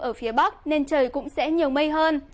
ở phía bắc nên trời cũng sẽ nhiều mây hơn